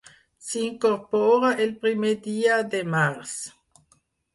S'hi incorpora el primer dia de març.